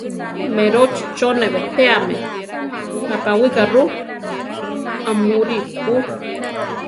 Merochí cho ne betéame, napawika ru; amúri ú.